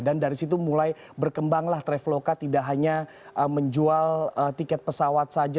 dan dari situ mulai berkembanglah traveloka tidak hanya menjual tiket pesawat saja